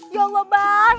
ya allah bang